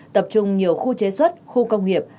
tập trung nhiều khu chế xuất khu công nghiệp